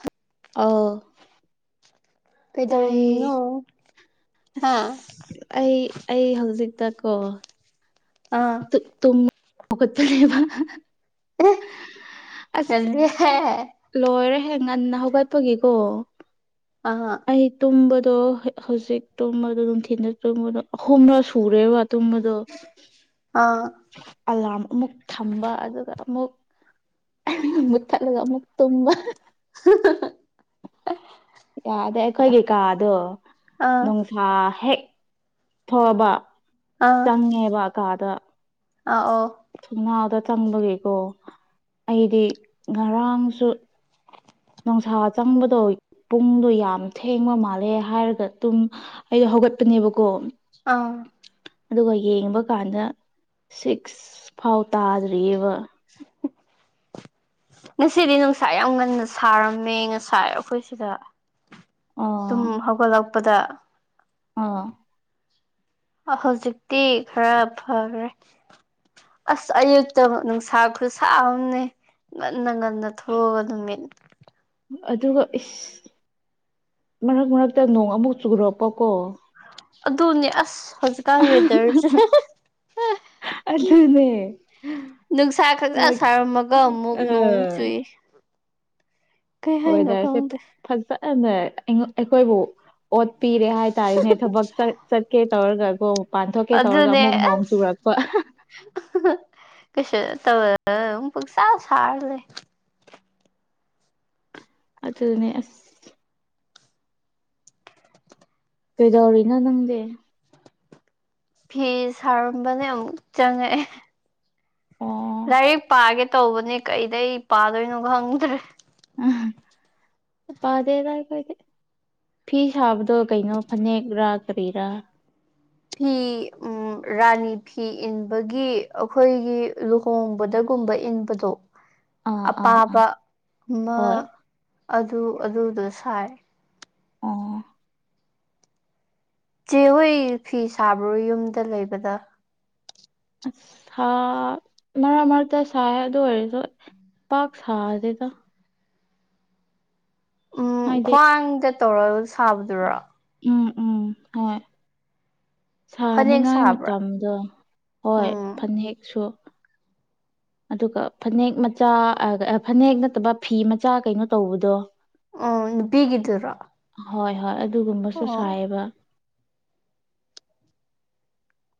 hut ꯑꯧ ꯇꯥꯏꯌꯦ ꯀꯩꯗꯧꯔꯝꯃꯤꯅꯣ ꯍꯥ ꯑꯁ ꯑꯩ ꯑꯩ ꯍꯧꯖꯤꯛꯇꯥ ꯀꯣ ꯑꯥ ꯇꯨ ꯇꯨꯝ ꯍꯧꯒꯠꯇꯥꯔꯤꯕ ꯑꯦ ꯇꯜꯂꯦꯍꯦ ꯂꯣꯏꯔꯦꯍꯦ ꯉꯟꯅ ꯍꯧꯒꯠꯄꯒꯤꯀꯣ ꯑꯍꯥ ꯑꯩ ꯇꯨꯝꯕꯗꯣ ꯍꯧꯖꯤꯛ ꯇꯨꯝꯕꯗꯣ ꯅꯨꯡꯊꯤꯟꯗꯥ ꯇꯨꯝꯕꯗꯣ ꯑꯍꯨꯝꯂꯛ ꯁꯨꯔꯦꯕ ꯇꯨꯝꯕ ꯗꯣ ꯑꯥ ꯑꯂꯥꯔꯝ ꯑꯃꯨꯛ ꯊꯝꯕ ꯑꯗꯨꯒꯥ ꯑꯃꯨꯛ ꯃꯨꯠꯊꯠꯂꯒꯥ ꯑꯃꯨꯛ ꯇꯨꯝꯕ [unintelligible] ꯌꯥꯗꯦ ꯑꯩꯈꯣꯏꯒꯤꯀꯥꯗꯣ ꯑꯥ ꯑꯥ ꯅꯨꯡꯁꯥ ꯍꯦꯛ ꯊꯣꯛꯑꯕ ꯆꯪꯉꯦꯕ ꯀꯥꯗ ꯑꯥ ꯑꯣ ꯊꯣꯡꯅꯥꯎꯗ ꯆꯪꯕꯒꯤꯀꯣ ꯑꯩꯗꯤ ꯉꯔꯥꯡꯁꯨ ꯅꯨꯡꯁꯥ ꯆꯪꯕꯗꯣ ꯄꯨꯡꯗꯣ ꯌꯥꯝ ꯊꯦꯡꯕ ꯃꯥꯜꯂꯦ ꯍꯥꯏꯔꯒ ꯇꯨꯝ ꯑꯩ ꯍꯧꯒꯠꯄꯅꯦꯕꯀꯣ ꯑ ꯑꯗꯨꯒ ꯌꯦꯡꯕ ꯀꯥꯟꯗ ꯁꯤꯛꯁ ꯐꯥꯎ ꯇꯥꯗ꯭ꯔꯤꯑꯦꯕ [inaudible] ꯉꯁꯤꯗꯤ ꯅꯨꯡꯁꯥ ꯌꯥꯝ ꯉꯟꯅ ꯁꯥꯔꯝꯃꯦ ꯉꯁꯥꯏ ꯑꯩꯈꯣꯏ ꯁꯤꯗ ꯇꯨꯝ ꯑꯥ ꯍꯧꯒꯠꯂꯛꯄꯗ ꯑꯥ ꯑ ꯍꯧꯖꯤꯛꯇꯤ ꯈꯔ ꯐꯈꯔꯦ ꯑꯁ ꯑꯌꯨꯛꯇꯣ ꯅꯨꯡꯁꯥ ꯈꯨꯠꯁꯥ ꯑꯃꯅꯦ ꯉꯟꯅ ꯉꯟꯅ ꯊꯣꯛꯑꯒ ꯅꯨꯃꯤꯠ ꯑꯗꯨꯒ ꯏꯁ ꯃꯔꯛ ꯃꯔꯛꯇ ꯅꯣꯡ ꯑꯃꯨꯛ ꯆꯨꯔꯛꯄꯀꯣ ꯑꯗꯨꯅꯦ ꯑꯁ ꯍꯧꯖꯤꯛꯀꯥꯟ ꯋꯦꯗꯔꯁꯦ ꯑꯗꯨꯅꯦ ꯅꯨꯡꯁꯥ ꯈꯪꯁꯥ ꯃꯣꯏ ꯁꯥꯔꯝꯃꯒ ꯑꯃꯨꯛ ꯅꯣꯡ ꯑꯃꯨꯛ ꯑꯥ ꯆꯨꯏ ꯀꯩ ꯍꯥꯏꯅꯣ ꯋꯦꯗꯔꯁꯦ ꯈꯪꯗꯦ ꯐꯖꯅ ꯑꯩꯉꯣꯟ ꯑꯩꯈꯣꯏꯕꯨ ꯑꯣꯠꯄꯤꯔꯦ ꯍꯥꯏꯇꯥꯔꯦꯅꯦ ꯊꯕꯛ ꯆꯠꯀꯦ ꯇꯧꯔꯒꯀꯣ ꯄꯥꯟꯊꯣꯛꯀꯦ ꯇꯧꯔꯒ ꯑꯗꯨꯅꯦ ꯑꯃꯨꯛ ꯅꯣꯡ ꯑꯁ ꯆꯨꯔꯛꯄ ꯀꯩꯁꯨ ꯇꯧꯔꯒꯅ ꯑꯗꯨꯝ ꯄꯨꯛꯁꯥ ꯁꯥꯔ ꯂꯩ ꯑꯗꯨꯅꯦ ꯑꯁ ꯀꯩꯗꯧꯔꯤꯅꯣ ꯅꯪꯗꯤ ꯐꯤ ꯁꯥꯔꯝꯕꯅꯦ ꯑꯃꯨꯛ ꯆꯪꯉꯛꯑꯦ ꯑꯣ ꯂꯥꯏꯔꯤꯛ ꯄꯥꯒꯦ ꯇꯧꯕꯅꯦ ꯀꯩꯗꯩ ꯄꯥꯗꯣꯏꯅꯣ ꯈꯪꯗ꯭ꯔꯦ ꯄꯥꯗꯦꯗ ꯑꯩꯈꯣꯢꯗꯤ ꯐꯤ ꯁꯥꯕꯗꯣ ꯀꯩꯅꯣ ꯐꯅꯦꯛꯔꯥ ꯀꯔꯤꯔꯥ ꯐꯤ ꯎꯝ ꯔꯥꯅꯤ ꯐꯤ ꯏꯟꯕꯒꯤ ꯑꯩꯈꯣꯏꯒꯤ ꯂꯨ ꯍꯣꯡꯕꯗꯒꯨꯝꯕ ꯏꯟꯕꯗꯣ ꯑꯥ ꯑꯥ ꯑꯥ ꯑꯄꯥꯕ ꯑꯃ ꯍꯣꯏ ꯑꯗꯨ ꯑꯗꯨꯗꯣ ꯁꯥꯏ ꯑꯣ ꯆꯦꯍꯣꯏ ꯐꯤ ꯁꯥꯕ꯭ꯔꯣ ꯌꯨꯝꯗ ꯂꯩꯕꯗ ꯑꯁ ꯁꯥ ꯃꯔꯛ ꯃꯔꯛꯇ ꯁꯥꯏ ꯑꯗꯨ ꯑꯣꯏꯔꯁꯨ ꯄꯥꯛ ꯁꯥꯗꯦꯗ ꯎꯝ ꯍꯥꯏꯗꯤ ꯈ꯭ꯋꯥꯡꯗ ꯇꯧꯔꯒ ꯁꯥꯕꯗꯨꯔꯣ ꯎꯝ ꯎꯝ ꯍꯣꯏ ꯐꯅꯦꯛ ꯁꯥꯅꯤꯉꯥꯏ ꯁꯥꯕ꯭ꯔꯥ ꯃꯇꯝꯗꯣ ꯍꯣꯏ ꯎꯝ ꯐꯅꯦꯛꯁꯨ ꯑꯗꯨꯒ ꯐꯅꯦꯛ ꯃꯆꯥ ꯐꯅꯦꯛ ꯅꯠꯇꯕ ꯐꯤ ꯃꯆꯥ ꯀꯩꯅꯣ ꯇꯧꯕꯗꯣ ꯑꯣ ꯅꯨꯄꯤꯒꯤꯗꯨꯔꯣ ꯍꯣꯏ ꯍꯣꯏ ꯑꯗꯨꯒꯨꯝꯕꯁꯨ ꯑꯣ ꯁꯥꯏꯑꯕ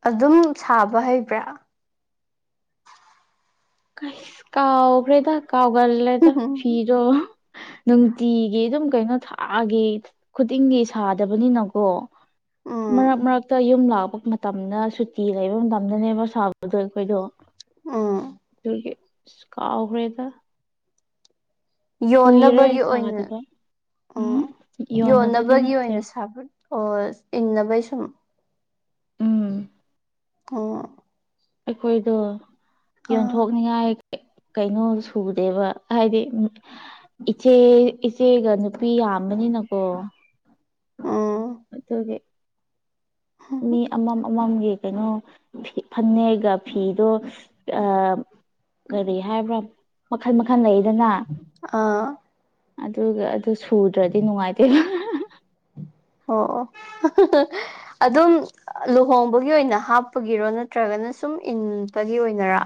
ꯑꯗꯨꯝ ꯁꯥꯕ ꯍꯩꯕ꯭ꯔꯥ ꯑꯁ ꯀꯥꯎ ꯒ꯭ꯔꯦꯗ ꯀꯥꯎꯒꯜꯂꯦꯗ ꯎꯝ ꯐꯤꯗꯣ ꯅꯨꯡꯇꯤꯒꯤ ꯑꯗꯨꯝ ꯀꯩꯅꯣ ꯊꯥꯒꯤ ꯈꯨꯗꯤꯡꯒꯤ ꯁꯥꯗꯕꯅꯤꯅꯀꯣ ꯃꯔꯛ ꯎꯝ ꯃꯔꯛꯇ ꯌꯨꯝ ꯂꯥꯛꯄ ꯃꯇꯝꯗ ꯁꯨꯇꯤ ꯂꯩꯕ ꯃꯇꯝꯗꯅꯦꯕ ꯁꯥꯕꯗꯣ ꯑꯩꯈꯣꯏꯗꯣ ꯑꯨꯝ ꯑꯗꯨꯒꯤ ꯏꯁ ꯀꯥꯎꯈ꯭ꯔꯦꯗ ꯀꯨꯏꯔꯦ ꯌꯣꯟꯅꯕꯒꯤ ꯑꯣꯏꯅ ꯁꯥꯗꯕ ꯎꯝ ꯑꯨꯝ ꯌꯣꯟꯅꯕꯗꯤ ꯌꯣꯟꯅꯕꯒꯤ ꯅꯠꯇꯦ ꯑꯣꯏꯅ ꯁꯥꯕꯔ ꯑꯣ ꯏꯪꯅꯕꯩ ꯁꯨꯝ ꯎꯝ ꯑꯝ ꯑꯩꯈꯣꯏꯗꯣ ꯑꯥ ꯌꯣꯟꯊꯣꯛꯅꯤꯉꯥꯏ ꯀꯩꯅꯣ ꯁꯨꯗꯦꯕ ꯍꯥꯏꯗꯤ ꯏꯆꯦ ꯏꯆꯦꯒ ꯅꯨꯄꯤ ꯌꯥꯝꯕꯅꯤꯅꯀꯣ ꯑꯥ ꯑꯗꯨꯒꯤ ꯃꯤ ꯑꯃꯝ ꯑꯃꯝꯒꯤ ꯀꯩꯅꯣ ꯐꯅꯦꯛꯒ ꯐꯤꯗꯣ ꯑꯥ ꯀꯔꯤ ꯍꯥꯏꯕ꯭ꯔꯣ ꯃꯈꯜ ꯃꯈꯜ ꯂꯩꯗꯅ ꯑꯥ ꯑꯗꯨꯒ ꯑꯗꯨ ꯁꯨꯗ꯭ꯔꯗꯤ ꯅꯨꯡꯉꯥꯏꯇꯦꯕ ꯑꯣ ꯑꯣ ꯑꯗꯨꯝ ꯂꯨꯍꯣꯡꯕꯒꯤ ꯑꯣꯏꯅ ꯍꯥꯞꯄꯒꯤꯔꯣ ꯅꯠꯇ꯭ꯔꯒꯅ ꯁꯨꯝ ꯏꯟꯄꯒꯤ ꯑꯣꯏꯅꯔꯥ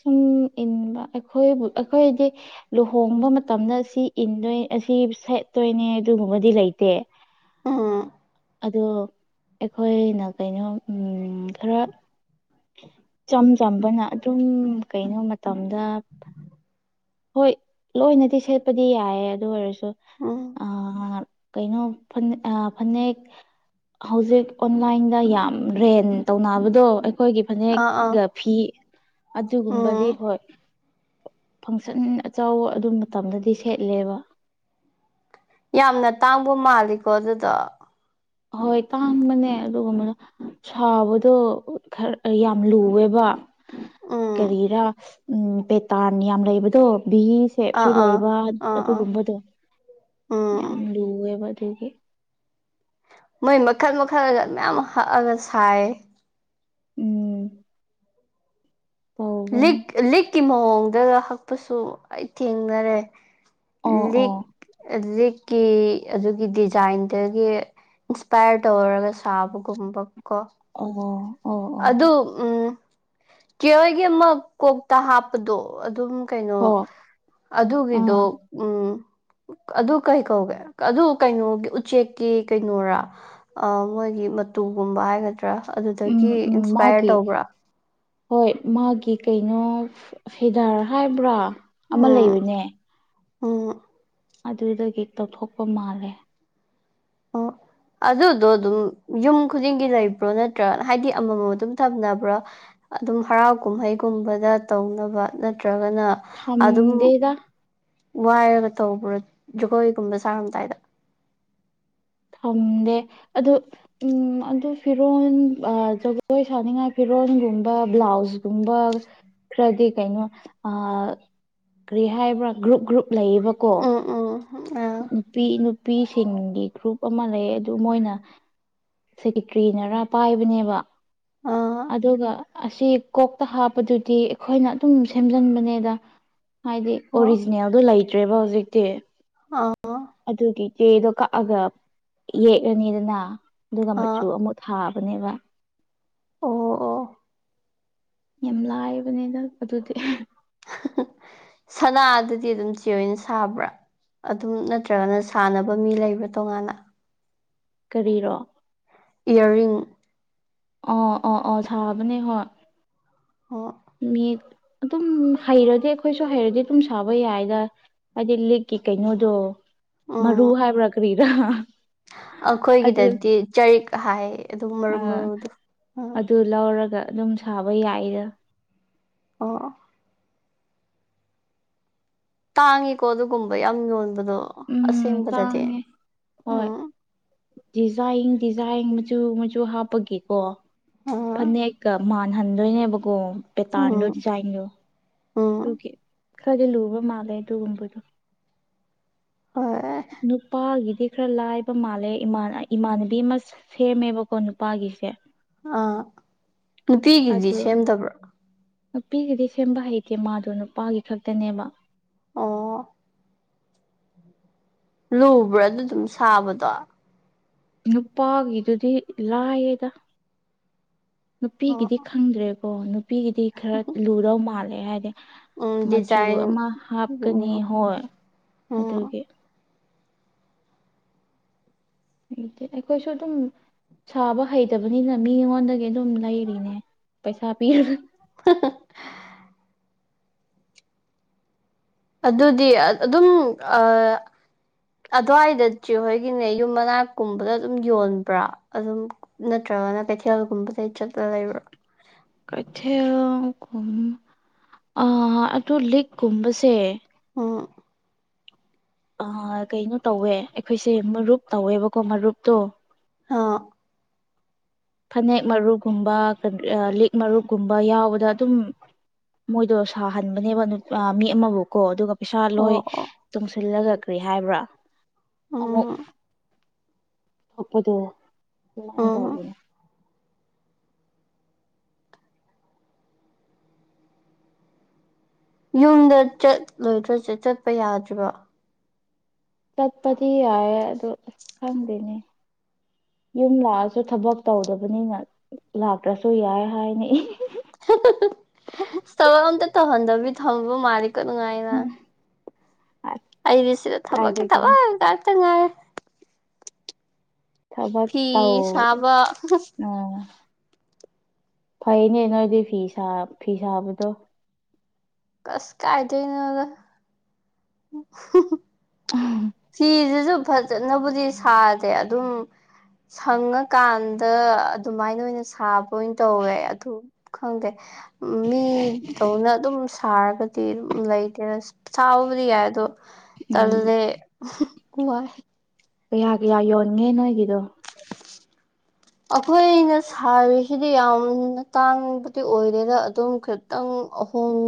ꯁꯨꯝ ꯏꯟꯕ ꯑꯩꯈꯣꯏꯕꯨ ꯑꯩꯈꯣꯏꯗꯤ ꯂꯨꯍꯣꯡꯕ ꯃꯇꯝꯗ ꯑꯁꯤ ꯏꯟꯗꯣꯏ ꯑꯁꯤ ꯁꯦꯠꯇꯣꯏꯅꯦ ꯑꯗꯨꯒꯨꯝꯕꯗꯤ ꯂꯩꯇꯦ ꯑꯥ ꯑꯗꯣ ꯑꯩꯈꯣꯏꯅ ꯀꯩꯅꯣ ꯈꯔ ꯏꯆꯝ ꯆꯝꯕꯅ ꯑꯗꯨꯝ ꯀꯩꯅꯣ ꯃꯇꯝꯗ ꯍꯣꯏ ꯂꯣꯏꯅꯗꯤ ꯁꯦꯠꯄꯗꯤ ꯌꯥꯏꯑꯦ ꯑꯗꯨ ꯑꯣꯏꯔꯁꯨ ꯎꯝ ꯑꯥ ꯀꯩꯅꯣ ꯐꯅꯦ ꯑꯥ ꯐꯅꯦꯛ ꯍꯧꯖꯤꯛ ꯑꯣꯟꯂꯥꯏꯟꯗ ꯌꯥꯝ ꯔꯦꯟ ꯇꯧꯅꯕꯗꯣ ꯑꯩꯈꯣꯏꯒꯤ ꯑꯥ ꯑꯥ ꯐꯅꯦꯛꯒ ꯐꯤ ꯎꯝ ꯑꯗꯨꯒꯨꯝꯕꯗꯤ ꯍꯣꯏ ꯐꯪꯁꯟ ꯑꯆꯥꯎꯕ ꯑꯗꯨ ꯃꯇꯝꯗꯗꯤ ꯁꯦꯠꯂꯦꯕ ꯌꯥꯝꯅ ꯇꯥꯡꯕ ꯃꯥꯜꯂꯤꯀꯣ ꯑꯗꯨꯗꯣ ꯍꯣꯏ ꯇꯥꯡꯕꯅꯦ ꯑꯗꯨꯒꯨꯝꯕ ꯁꯥꯕꯗꯣ ꯈꯔ ꯌꯥꯝ ꯂꯨꯑꯦꯕ ꯎꯝ ꯀꯔꯤꯔꯥ ꯎꯝ ꯄꯦꯇꯥꯟ ꯌꯥꯝ ꯂꯩꯕꯗꯣ ꯕꯤꯍꯤ ꯁꯦꯞꯁꯨ ꯑꯥ ꯑꯥ ꯂꯩꯕ ꯑꯥ ꯑꯥ ꯑꯗꯨꯒꯨꯝꯕꯗꯣ ꯌꯥꯝ ꯎꯝ ꯂꯨꯑꯦꯕ ꯑꯗꯨꯒꯤ ꯅꯣꯏ ꯃꯈꯜ ꯃꯈꯜꯒ ꯃꯌꯥꯝ ꯍꯛꯑꯒ ꯁꯥꯏ ꯎꯝ ꯇꯧꯕꯅꯦ ꯂꯤꯛ ꯂꯤꯛꯀꯤ ꯃꯑꯣꯡꯗ ꯍꯛꯄꯁꯨ ꯑꯩ ꯊꯦꯡꯅꯔꯦ ꯑꯣ ꯂꯤꯛ ꯑꯣ ꯂꯤꯛꯀꯤ ꯑꯗꯨꯒꯤ ꯗꯤꯖꯥꯏꯟꯗꯒꯤ ꯏꯟꯁꯄꯥꯏꯔ ꯇꯧꯔꯒ ꯁꯥꯕꯒꯨꯝꯕ ꯀꯣ ꯑꯣ ꯑꯣ ꯑꯣ ꯑꯗꯨ ꯎꯝ ꯆꯦꯍꯣꯏꯒꯤ ꯑꯃ ꯀꯣꯛꯇ ꯍꯥꯞꯄꯗꯣ ꯑꯗꯨꯝ ꯀꯩꯅꯣ ꯍꯣ ꯑꯗꯨꯒꯤꯗꯣ ꯑꯥ ꯎꯝ ꯑꯗꯨ ꯀꯩ ꯀꯧꯒꯦ ꯑꯗꯨ ꯀꯩꯅꯣꯒꯤ ꯎꯆꯦꯛꯀꯤ ꯀꯩꯅꯣꯔ ꯑꯥ ꯃꯣꯏꯒꯤ ꯃꯇꯨꯒꯨꯝꯕ ꯍꯥꯏꯒꯗ꯭ꯔꯥ ꯎꯝ ꯑꯗꯨꯗꯒꯤ ꯎꯝ ꯏꯟꯁꯄꯥꯌꯔ ꯃꯥꯒꯤ ꯇꯧꯕ꯭ꯔꯥ ꯍꯣꯏ ꯃꯥꯒꯤ ꯀꯩꯅꯣ ꯐꯤꯗꯥꯔ ꯍꯥꯏꯕ꯭ꯔꯥ ꯑꯃ ꯎꯝ ꯂꯩꯕꯅꯦ ꯎꯝ ꯑꯗꯨꯗꯒꯤ ꯇꯧꯊꯣꯛꯄ ꯃꯥꯜꯂꯦ ꯑꯣ ꯑꯗꯨꯗꯣ ꯑꯗꯨꯝ ꯌꯨꯝ ꯈꯨꯗꯤꯡꯒꯤ ꯂꯩꯕ꯭ꯔꯣ ꯅꯠꯇ꯭ꯔ ꯍꯥꯏꯗꯤ ꯑꯃꯃꯝ ꯑꯗꯨꯝ ꯊꯝꯅꯕ꯭ꯔꯣ ꯑꯗꯨꯝ ꯍꯔꯥꯎ ꯀꯨꯝꯍꯩꯒꯨꯝꯕꯗ ꯇꯧꯅꯕ ꯅꯠꯇ꯭ꯔꯒꯅ ꯑꯗꯨꯝ ꯊꯝꯗꯦꯗ ꯋꯥꯏꯔꯒ ꯇꯧꯕ꯭ꯔꯥ ꯖꯒꯣꯏꯒꯨꯝꯕ ꯁꯥꯔꯝꯗꯥꯏꯗ ꯐꯪꯗꯦ ꯑꯗꯨ ꯎꯝ ꯑꯗꯨ ꯐꯤꯔꯣꯜ ꯖꯒꯣꯏ ꯁꯥꯅꯤꯡꯉꯥꯏ ꯐꯤꯔꯣꯜꯒꯨꯝꯕ ꯕ꯭ꯂꯥꯎꯁꯒꯨꯝꯕ ꯈꯥꯔꯗꯤ ꯀꯩꯅꯣ ꯑꯥ ꯀꯔꯤ ꯍꯥꯏꯕ꯭ꯔꯥ ꯒ꯭ꯔꯨꯞ ꯒ꯭ꯔꯨꯞ ꯂꯩꯌꯦꯕꯀꯣ ꯎꯝ ꯎꯝ ꯑꯥ ꯅꯨꯄꯤ ꯅꯨꯄꯤꯁꯤꯡꯒꯤ ꯒ꯭ꯔꯨꯞ ꯑꯃ ꯂꯩ ꯑꯗꯨ ꯃꯣꯏꯅ ꯁꯦꯀꯦꯇ꯭ꯔꯤꯅꯔꯥ ꯄꯥꯏꯕꯅꯦꯕ ꯑꯥ ꯑꯗꯨꯒ ꯑꯁꯤ ꯀꯣꯛꯇ ꯍꯥꯞꯄꯗꯨꯗꯤ ꯑꯩꯈꯣꯏꯅ ꯑꯗꯨꯝ ꯁꯦꯝꯖꯤꯟꯕꯅꯦꯗ ꯍꯥꯏꯗꯤ ꯑꯣ ꯑꯣꯔꯤꯖꯤꯅꯦꯜꯗꯣ ꯂꯩꯇ꯭ꯔꯦꯕ ꯍꯧꯖꯤꯛꯇꯤ ꯑꯥ ꯑꯗꯨꯒꯤ ꯆꯦꯗꯣ ꯀꯛꯑꯒ ꯌꯦꯛꯂꯅꯤꯗꯅ ꯑꯗꯨꯒ ꯑꯥ ꯃꯆꯨ ꯑꯃꯨꯛ ꯊꯥꯕꯅꯦꯕ ꯑꯣ ꯑꯣ ꯌꯥꯝ ꯂꯥꯏꯕꯅꯤꯗ ꯑꯗꯨꯗꯤ ꯁꯅꯥ ꯗꯨꯗꯤ ꯑꯗꯨꯝ ꯆꯦ ꯍꯣꯏꯅ ꯁꯥꯕ꯭ꯔꯥ ꯑꯗꯨꯝ ꯅꯠꯇ꯭ꯔꯒꯅ ꯁꯥꯟꯅꯕ ꯃꯤ ꯂꯩꯕ꯭ꯔꯥ ꯇꯣꯉꯥꯟꯅ ꯀꯔꯤꯔꯣ ꯏꯌꯥꯔꯤꯡ ꯑꯣ ꯑꯣ ꯑꯣ ꯁꯥꯕꯅꯦ ꯍꯣꯏ ꯑꯣ ꯃꯤ ꯑꯗꯨꯝ ꯍꯩꯔꯗꯤ ꯑꯩꯈꯣꯏꯁꯨ ꯍꯩꯔꯗꯤ ꯑꯗꯨꯝ ꯁꯥꯕ ꯌꯥꯏꯗ ꯍꯥꯏꯗꯤ ꯂꯤꯛꯀꯤ ꯀꯩꯅꯣꯗꯣ ꯎꯝ ꯃꯔꯨ ꯍꯥꯏꯕ꯭ꯔꯥ ꯀꯔꯤꯔ ꯑꯩꯈꯣꯏꯒꯤꯗꯗꯤ ꯆꯔꯤꯛ ꯍꯥꯏ ꯑꯗꯨꯝ ꯃꯔꯨ ꯃꯔꯨꯗꯣ ꯑ ꯗꯨ ꯂꯧꯔꯒ ꯑꯗꯨꯝ ꯁꯥꯕ ꯌꯥꯏꯗ ꯑꯣ ꯑꯣ ꯇꯥꯡꯉꯤꯀꯣ ꯑꯗꯨꯒꯨꯝꯕ ꯌꯥꯝ ꯌꯣꯟꯕꯗꯣ ꯎꯝ ꯑꯁꯦꯡꯕꯗꯗꯤ ꯇꯥꯡꯉꯦ ꯍꯣꯏ ꯎꯝ ꯗꯤꯖꯥꯏꯟ ꯗꯤꯖꯥꯏꯟ ꯃꯆꯨ ꯃꯆꯨ ꯍꯥꯞꯄꯒꯤꯀꯣ ꯎꯝ ꯐꯅꯦꯛꯀ ꯃꯥꯟ ꯍꯟꯗꯣꯏꯅꯦꯕꯀꯣ ꯄꯦꯇꯥꯟꯗꯣ ꯎꯝ ꯗꯤꯖꯥꯏꯟꯗꯣ ꯎꯝ ꯈꯥꯔꯗꯤ ꯂꯨꯕ ꯃꯥꯜꯂꯦ ꯑꯗꯨꯒꯨꯝꯕꯗꯣ ꯍꯣꯏ ꯅꯨꯄꯥꯒꯤꯗꯤ ꯈꯥꯔ ꯂꯥꯏꯕ ꯃꯥꯜꯂꯦ ꯏꯃꯥꯟ ꯏꯃꯥꯟꯅꯕꯤ ꯑꯃ ꯁꯦꯝꯃꯦꯕꯀꯣ ꯅꯨꯄꯥꯒꯤꯁꯦ ꯑꯥ ꯅꯨꯄꯤꯒꯤꯗꯤ ꯑꯗꯣ ꯁꯦꯝꯗꯕ꯭ꯔꯣ ꯅꯨꯄꯤꯒꯤꯗꯤ ꯁꯦꯝꯕ ꯍꯩꯇꯦ ꯃꯥꯗꯣ ꯅꯨꯄꯥꯒꯤ ꯈꯛꯇꯅꯦꯕ ꯑꯣ ꯂꯨꯕ꯭ꯔꯥ ꯑꯗꯨ ꯑꯗꯨꯝ ꯁꯥꯕꯗꯣ ꯅꯨꯄꯥꯒꯤꯗꯨꯗꯤ ꯂꯥꯏꯌꯦꯗ ꯑꯣ ꯅꯨꯄꯤꯒꯤꯗꯤ ꯈꯪ ꯈꯪꯗ꯭ꯔꯦꯀꯣ ꯅꯨꯄꯤꯒꯤꯗꯤ ꯈꯥꯔ ꯂꯨꯗꯧ ꯃꯥꯜꯂꯦ ꯍꯥꯏꯗꯤ ꯎꯝ ꯃꯆꯨ ꯗꯤꯖꯥꯏꯟ ꯑꯃ ꯍꯥꯞꯀꯅꯤ ꯎꯝ ꯍꯣꯏ ꯎꯝ ꯑꯗꯨꯒꯤ ꯂꯨꯗꯦ ꯑꯩꯈꯣꯏꯁꯨ ꯑꯗꯨꯝ ꯁꯥꯕ ꯍꯩꯇꯕꯅꯤꯅ ꯃꯤꯉꯣꯟꯗꯒꯤ ꯑꯗꯨꯝ ꯂꯩꯔꯤꯅꯦ ꯄꯩꯁꯥ ꯄꯤꯔꯒ ꯍꯥ ꯍꯥ ꯑꯗꯨꯗꯤ ꯑꯗꯨꯝ ꯑꯥ ꯑꯗꯨꯋꯥꯏꯗ ꯆꯦ ꯍꯣꯏꯒꯤꯅꯦ ꯌꯨꯝ ꯃꯅꯥꯛꯀꯨꯝꯕꯗ ꯑꯗꯨꯝ ꯌꯣꯟꯕ꯭ꯔꯥ ꯑꯗꯨꯝ ꯅꯠꯇ꯭ꯔꯒꯅ ꯀꯩꯊꯦꯜꯒꯨꯝꯕꯗꯩ ꯆꯠꯂꯒ ꯂꯩꯕ꯭ꯔꯥ ꯀꯩꯊꯦꯜꯒꯨꯝ ꯑꯥ ꯑꯗꯨ ꯂꯤꯛꯀꯨꯝꯕꯁꯦ ꯎꯝ ꯑꯥ ꯀꯩꯅꯣ ꯇꯧꯋꯦ ꯑꯩꯈꯣꯏꯁꯦ ꯃꯔꯨꯞ ꯇꯧꯋꯦꯕꯀꯣ ꯃꯔꯨꯞꯇꯣ ꯍꯥ ꯐꯅꯦꯛ ꯃꯔꯨꯞꯒꯨꯝꯕ ꯀ ꯂꯤꯛ ꯃꯔꯨꯞꯒꯨꯝꯕ ꯌꯥꯎꯕꯗ ꯗꯨꯝ ꯃꯣꯏꯗꯣ ꯁꯥꯍꯟꯕꯅꯦꯕ ꯅꯨ ꯃꯤ ꯑꯃꯕꯨꯀꯣ ꯑꯗꯨꯒ ꯄꯩꯁꯥ ꯂꯣꯏ ꯑꯣ ꯑꯣ ꯇꯨꯡꯁꯤꯜꯂꯒ ꯀ꯭ꯔꯤ ꯍꯥꯏꯕ꯭ꯔꯥ ꯑꯃꯨꯛ ꯎꯝ ꯊꯣꯛꯄꯗꯣ ꯀꯃꯥꯏꯟ ꯇꯧ ꯎꯝ [unintelligible] ꯌꯨꯝꯗ ꯆꯠꯂꯣꯏꯗ꯭ꯔꯣ ꯆꯦ ꯆꯠꯄ ꯌꯥꯗ꯭ꯔꯤꯕ ꯆꯠꯄꯗꯤ ꯌꯥꯏꯌꯦ ꯑꯗꯣ ꯑꯁ ꯈꯪꯗꯦꯅꯦ ꯌꯨꯝ ꯂꯥꯛꯑꯁꯨ ꯊꯕꯛ ꯇꯧꯗꯕꯅꯤꯅ ꯂꯥꯛꯇ꯭ꯔꯁꯨ ꯌꯥꯏ ꯍꯥꯏꯅꯤ ꯏꯁ ꯊꯕꯛ ꯑꯝꯇ ꯇꯧꯍꯟꯗꯕꯤ ꯊꯝꯕ ꯃꯥꯂꯤꯀꯣ ꯅꯨꯡꯉꯥꯏꯅ ꯑꯁ ꯑꯩꯗꯤ ꯁꯤꯗ ꯊꯕꯛꯀꯤ ꯀꯥꯏꯗꯒꯤꯅꯣ ꯊꯕꯛ ꯉꯥꯛꯇ ꯉꯥꯏ ꯊꯕꯛ ꯐꯤ ꯇꯧ ꯁꯥꯕ ꯑꯣ ꯐꯩꯅꯦ ꯅꯣꯏꯗꯤ ꯐꯤ ꯁꯥ ꯐꯤ ꯁꯥꯕꯗꯣ ꯑꯁ ꯀꯥꯏꯗꯩꯅꯣꯗ [unintelligible] [unintelligible] ꯐꯤꯁꯤꯁꯨ ꯐꯖꯅꯕꯨꯗꯤ ꯁꯥꯗꯦ ꯑꯗꯨꯝ ꯁꯪꯉꯀꯥꯟꯗ ꯑꯗꯨꯃꯥꯏꯅ ꯑꯣꯏꯅ ꯁꯥꯕ ꯂꯣꯏꯟ ꯇꯧꯋꯦ ꯑꯗꯨ ꯈꯪꯗꯦ ꯃꯤꯗꯧꯅ ꯑꯗꯨꯝ ꯁꯥꯔꯒ ꯇ‌ꯦ ꯎꯝ ꯂꯩꯇꯦ ꯁꯥꯥꯕꯕꯨꯗꯤ ꯌꯥꯏ ꯑꯗꯣ ꯎꯝ ꯇꯜꯂꯦ ꯋꯥꯏ ꯀꯌꯥ ꯀꯌꯥ ꯌꯣꯟꯒꯦ ꯅꯣꯏꯒꯤꯗꯣ ꯑꯩꯈꯣꯏꯅ ꯁꯥꯕꯁꯤꯗꯤ ꯌꯥꯝꯅ ꯇꯥꯡꯕꯗꯤ ꯑꯣꯏꯗꯦꯗ ꯑꯗꯨꯝ ꯈꯤ ꯇꯪ ꯑꯍꯣꯡ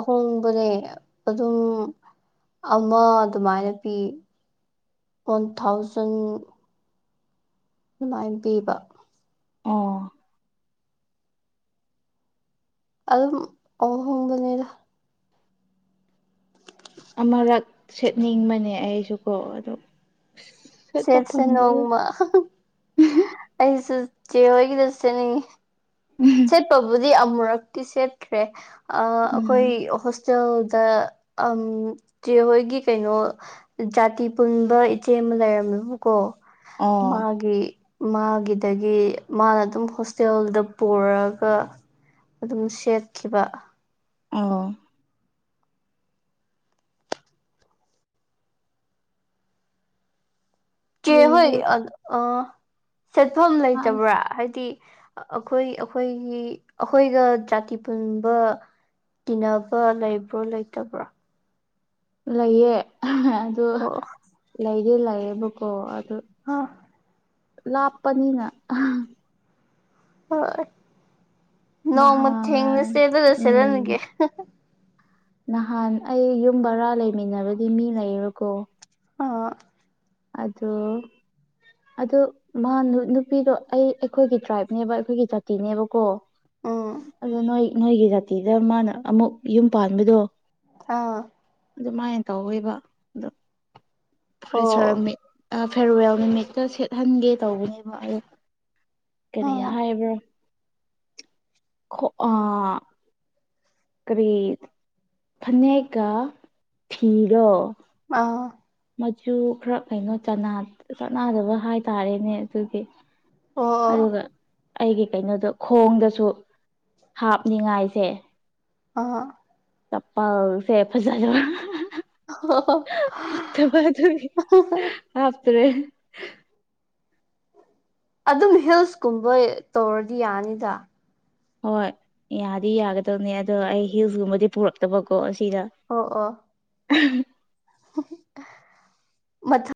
ꯑꯍꯣꯡꯕꯅꯦ ꯑꯗꯨꯝ ꯑꯃ ꯑꯗꯨꯃꯥꯏꯅ ꯄꯤ ꯋꯥꯟ ꯊꯥꯎꯖꯟ ꯑꯗꯨꯃꯥꯏꯟ ꯄꯤꯕ ꯑꯣ ꯑꯗꯨꯝ ꯑꯣꯍꯣꯡꯕꯅꯦꯗ ꯑꯃꯔꯛ ꯁꯦꯠꯅꯤꯡꯕꯅꯦ ꯑꯩꯁꯨꯀꯣ ꯑꯗꯨ ꯁꯦꯠꯁꯦ ꯅꯣꯡꯃ ꯑꯩꯁꯨ ꯆꯦꯍꯣꯏꯒꯤꯗ‌ꯣ ꯁꯦꯠꯅꯤꯡꯉꯤ ꯁꯦꯠꯄꯕꯨꯗꯤ ꯑꯃꯨꯔꯛꯇꯤ ꯁꯦꯠꯈ꯭ꯔꯦ ꯑ ꯑꯈꯣꯏ ꯎꯝ ꯍꯣꯁ [unintelligible] ꯇꯦꯜꯗ ꯑꯝ ꯆꯦꯍꯣꯏꯒꯤ ꯀꯩꯅꯣ ꯖꯥꯇꯤ ꯄꯨꯟꯕ ꯏꯆꯦ ꯑꯃ ꯂꯩꯔꯝꯃꯦꯕꯀꯣ ꯑꯣ ꯃꯥꯒꯤ ꯃꯥꯒꯤꯗꯒꯤ ꯃꯥꯅ ꯑꯗꯨꯝ ꯍꯣꯁꯇꯦꯜꯗ ꯄꯨꯔꯒ ꯑꯗꯨꯝ ꯁꯦꯠꯈꯤꯕ ꯑꯣ ꯆꯦ ꯍꯣꯏ ꯑꯩꯁꯨ ꯑ ꯑ ꯁꯦꯠꯐꯝ ꯂꯩꯇꯕ꯭ꯔꯥ ꯍꯥꯏꯗꯤ ꯑ ꯑꯈꯣꯏ ꯑꯈꯣꯏꯒꯤ ꯑꯈꯣꯏꯒ ꯖꯥꯇꯤ ꯄꯨꯟꯕ ꯇꯤꯟꯅꯕ ꯂꯩꯕ꯭ꯔꯣ ꯂꯩꯇꯕ꯭ꯔꯣ ꯂꯩꯌꯦ ꯑꯗꯨ ꯑꯣ ꯂꯩꯗꯤ ꯂꯩꯌꯦꯕꯀꯣ ꯑꯗꯨ ꯍꯥꯥ ꯂꯥꯞꯄꯅꯤꯅ ꯍꯣꯏ ꯅꯣꯡꯃ ꯅꯍꯥꯟ ꯊꯦꯡꯅꯁꯦ ꯑꯗꯨꯒ ꯁꯦꯠꯍꯟꯒꯦ ꯎꯝ ꯅꯍꯥꯟ ꯑꯩ ꯌꯨꯝ ꯕꯔꯥ ꯂꯩꯃꯤꯟꯅꯕꯒꯤ ꯃꯤ ꯂꯩꯌ‌ꯦꯕꯀꯣ ꯑꯥ ꯑꯗꯨ ꯑꯗꯨ ꯃꯥ ꯅꯨ ꯅꯨꯄꯤꯗꯣ ꯑꯩ ꯑꯩꯈꯣꯏꯒꯤ ꯇ꯭ꯔꯥꯏꯕꯅꯦꯕ ꯑꯩꯈꯣꯏꯒꯤ ꯖꯥꯇꯤꯅꯦꯕꯀꯣ ꯎꯝ ꯑꯗꯣ ꯅꯣꯏ ꯅꯣꯏꯒꯤ ꯖꯥꯇꯤꯗ ꯃꯥꯅ ꯑꯃꯨꯛ ꯌꯨꯝ ꯄꯥꯟꯕꯗꯣ ꯑꯥ ꯑꯗꯨꯃꯥꯏꯅ ꯇꯧꯋꯦꯕ ꯑꯣ ꯐ꯭ꯔꯦꯁꯔꯃꯤꯠ ꯐꯦꯔꯋꯦꯜ ꯅꯨꯃꯤꯠꯇ ꯁꯦꯠꯍꯟꯒꯦ ꯇꯧꯕꯅꯦꯕ ꯑꯩ ꯀꯔꯤ ꯑꯥ ꯍꯥꯏꯕ꯭ꯔꯣ ꯈꯣ ꯑꯥ ꯀꯔꯤ ꯐꯅꯦꯛꯀꯥ ꯐꯤꯔꯣ ꯑꯥ ꯃꯆꯨ ꯈꯔ ꯀꯩꯅꯣ ꯆꯥꯟꯅ ꯆꯥꯟꯅꯗꯕ ꯍꯥꯏꯇꯥꯔꯦꯅꯦ ꯑꯗꯨꯒꯤ ꯑꯣ ꯑꯗꯨꯒ ꯑꯩꯒꯤ ꯀꯩꯅꯣꯗꯣ ꯈꯣꯡꯗꯁꯨ ꯍꯥꯞꯅꯤꯡꯉꯥꯏꯁꯦ ꯑꯥ ꯆꯞꯄꯜ ꯁꯦ ꯐꯖꯗꯕ ꯑꯥ ꯐꯠꯇꯕ ꯑꯗꯨꯒꯤ ꯍꯥꯞꯇ꯭ꯔꯦ ꯑꯗꯨꯝ ꯍꯤꯜꯁꯀꯨꯝꯕ ꯇꯧꯔꯗꯤ ꯌꯥꯅꯤꯗ ꯍꯣꯏ ꯌꯥꯗꯤ ꯌꯥꯒꯗꯕꯅꯦ ꯑꯗꯣ ꯑꯩ ꯍꯤꯜꯁꯀꯨꯝꯕꯗꯤ ꯄꯨꯔꯛꯇꯕꯀꯣ ꯑꯁꯤꯗ ꯑꯣ ꯑꯣ [unintelligible] ꯃꯊꯪ